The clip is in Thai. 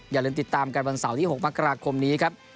อย่าลืมติดตามกันวันเสาร์ที่๖มกราคมนี้ครับ